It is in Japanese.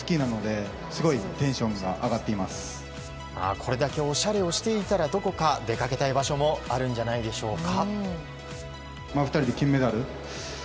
これだけおしゃれをしていたらどこか出かけたい場所もあるんじゃないでしょうか。